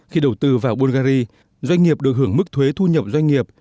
khi đầu tư vào bulgari doanh nghiệp được hưởng mức thuế thu nhập doanh nghiệp